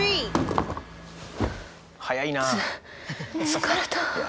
つ疲れた。